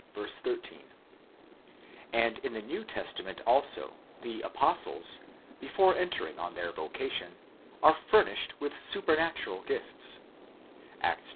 13) ; and in the New Testament also, the apostles, before entering on their vocation, are furnished with supernatural gifts (Acts ii.).